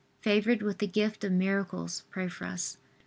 favored with the gift of miracles, pray for us.